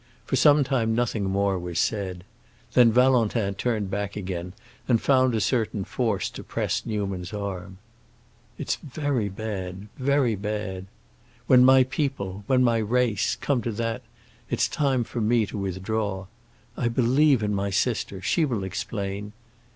For some time nothing more was said. Then Valentin turned back again and found a certain force to press Newman's arm. "It's very bad—very bad. When my people—when my race—come to that, it is time for me to withdraw. I believe in my sister; she will explain.